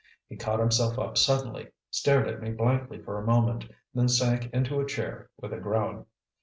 He caught himself up suddenly, stared at me blankly for a moment, then sank into a chair with a groan.